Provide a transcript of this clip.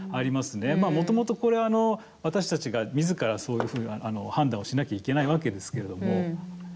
もともと私たちが、みずからそういうふうに判断をしなきゃいけないわけですけれども。